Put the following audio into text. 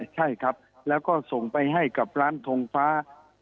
ใช่ครับแล้วก็ส่งไปให้กับร้านทงฟ้า